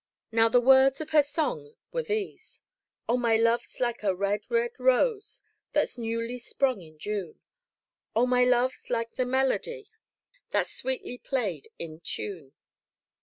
Now the words of her song were these: "O, my luve's like a red, red rose, That's newly sprung in June; O, my luve's like the melodie That's sweetly played in tune."